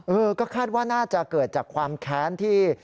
เออก็คาดว่าน่าจะเกิดจากความแค้นที่